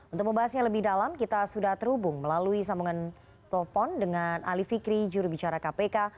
untuk membahasnya lebih dalam kita sudah terhubung melalui sambungan telepon dengan ali fikri jurubicara kpk